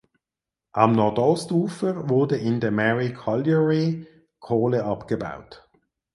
Am Nordostufer wurde in der "Mary Colliery" Kohle abgebaut.